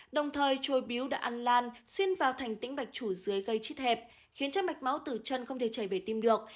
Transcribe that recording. đồng thời trôi biếu đã ăn lan xuyên vào thành tĩnh mạch chủ dưới gây chít hẹp khiến cho mạch máu từ chân không thể chảy về tim được